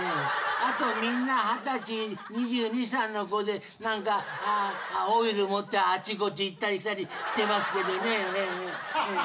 あとみんな二十歳２２２３の子で何かオイル持ってあっちこっち行ったり来たりしてますけどね。